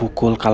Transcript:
aku mau ke rumah